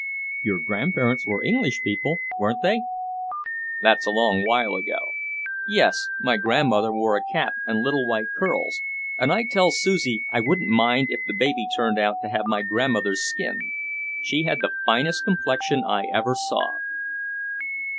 "Your grandparents were English people, weren't they?" "That's a long while ago. Yes, my grandmother wore a cap and little white curls, and I tell Susie I wouldn't mind if the baby turned out to have my grandmother's skin. She had the finest complexion I ever saw."